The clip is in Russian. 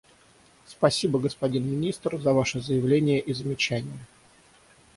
Спасибо, господин Министр, за Ваше заявление и замечания.